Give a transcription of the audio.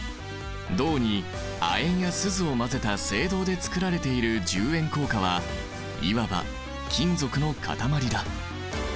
銅に亜鉛やスズを混ぜた青銅でつくられている１０円硬貨はいわば金属の塊だ。